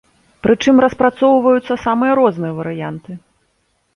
Прычым распрацоўваюцца самыя розныя варыянты.